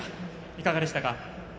いかがでしたか？